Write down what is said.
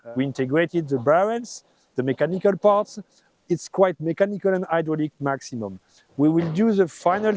kami mengintegrasikan barel bahan mekanik dan bahan mekanik dan hidrolik yang paling banyak